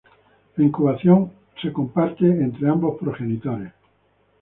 La incubación es compartida entre ambos progenitores.